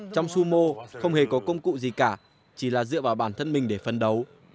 trong sumo không hề có công cụ gì cả chỉ là dựa vào bản thân mình để phân đấu